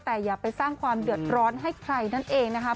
แต่อย่าไปสร้างความเดือดร้อนให้ใครนั่นเองนะคะ